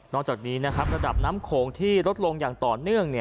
จากนี้นะครับระดับน้ำโขงที่ลดลงอย่างต่อเนื่อง